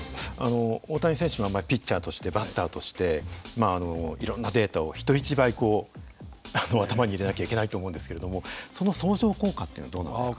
大谷選手の場合ピッチャーとしてバッターとしていろんなデータを人一倍頭に入れなきゃいけないと思うんですけれどもその相乗効果というのはどうなんですか？